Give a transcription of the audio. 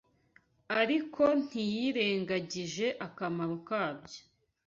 ariko ntiyirengagije akamaro kabyo